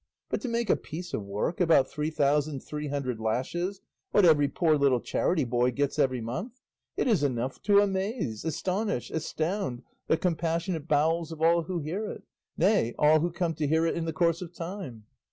But to make a piece of work about three thousand three hundred lashes, what every poor little charity boy gets every month it is enough to amaze, astonish, astound the compassionate bowels of all who hear it, nay, all who come to hear it in the course of time.